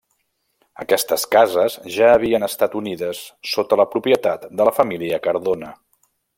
Aquestes cases ja havien estat unides sota la propietat de la família Cardona.